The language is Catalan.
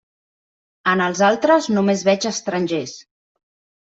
En els altres només veig estrangers.